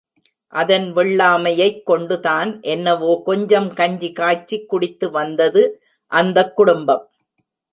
அதன் வெள்ளாமை யைக் கொண்டு தான் என்னவோ கொஞ்சம் கஞ்சி காய்ச்சிக் குடித்து வந்தது அந்தக் குடும்பம்.